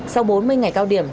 sau bốn mươi ngày cao điểm